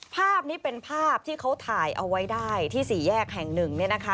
ภาพนี้เป็นภาพที่เขาถ่ายเอาไว้ได้ที่๔แยกแห่งหนึ่งเนี่ยนะคะ